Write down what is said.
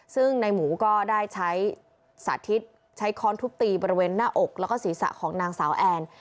ซึ่งในหมูก็ได้ใช้สาธิตใช้ค้อนทุบตีบริเวณหน้าอกแล้วก็ศีรษะของนางสาวแอน